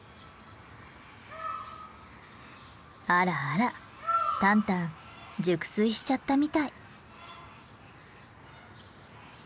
あらあらタンタン熟睡しちゃったみたい。